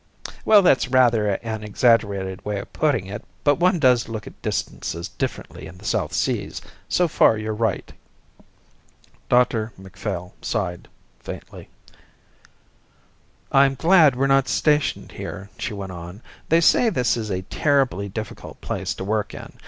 "Well, that's rather an exaggerated way of putting it, but one does look at distances differently in the South Seas. So far you're right." Dr Macphail sighed faintly. "I'm glad we're not stationed here," she went on. "They say this is a terribly difficult place to work in.